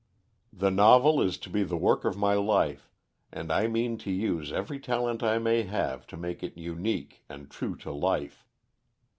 The novel is to be the work of my life, and I mean to use every talent I may have to make it unique and true to life.